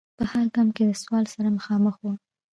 په هر ګام کې له سوال سره مخامخ و.